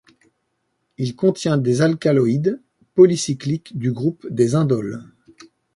Il contient des alcaloïdes polycycliques du groupe des indoles.